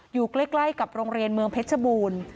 อยู่ใกล้กับโรงเรียนเมืองเพชรบูรณ์